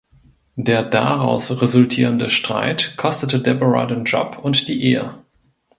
Der daraus resultierende Streit kostete Deborah den Job und die Ehe.